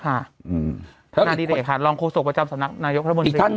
รัฐนาดีเรกค่ะรองโครโศกประจำสำนักนายกพระบนฤทธิ์